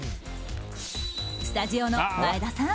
スタジオの前田さん